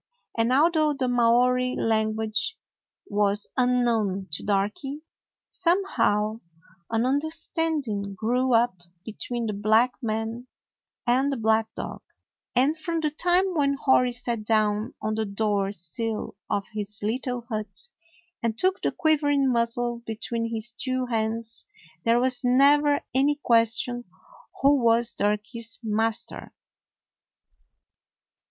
And although the Maori lan guage was unknown to Darky, somehow an understanding grew up between the black man and the black dog, and from the time 109 DOG HEROES OF MANY LANDS when Hori sat down on the door sill of his little hut and took the quivering muzzle be tween his two hands, there was never any ques tion who was Darky's master.